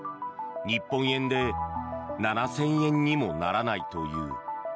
日本円で７０００円にもならないという。